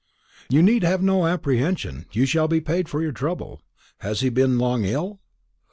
"You need have no apprehension; you shall be paid for your trouble. Has he been long ill?"